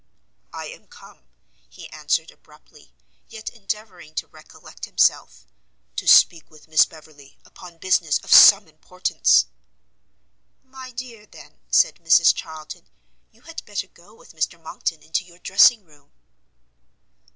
"I am come," he answered abruptly, yet endeavouring to recollect himself, "to speak with Miss Beverley upon business of some importance." "My dear, then," said Mrs Charlton, "you had better go with Mr Monckton into your dressing room."